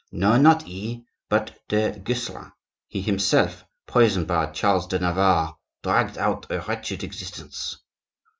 "No, not he, but du Guesclin. He himself, poisoned by Charles de Navarre, dragged out a wretched existence."